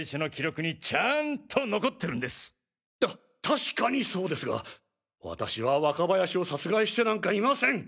たしかにそうですが私は若林を殺害してなんかいません！